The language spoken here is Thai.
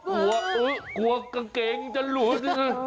กลัวกลัวกางเกงจะหลุด